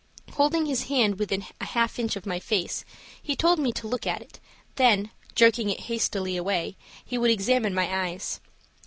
Holding his hand within a half inch of my face, he told me to look at it, then, jerking it hastily away, he would examine my eyes.